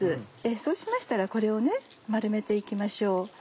そうしましたらこれを丸めて行きましょう。